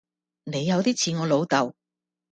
你有啲似我老豆